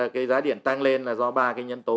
cái giá điện tăng lên là do ba cái nhân tố